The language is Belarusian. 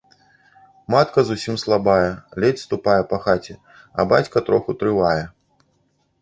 Матка зусім слабая, ледзь ступае па хаце, а бацька троху трывае.